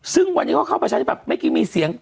ซึ่งวันนี้เขาเข้าประชาธิบัติแบบไม่กินมีเสียง